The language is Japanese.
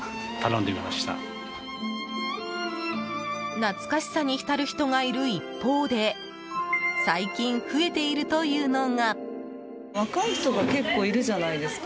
懐かしさに浸る人がいる一方で最近、増えているというのが。